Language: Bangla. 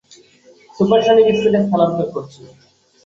সুপারসনিক স্পিডে স্নানান্তর করছি।